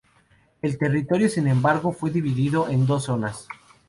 El territorio, sin embargo, fue dividido en dos zonas.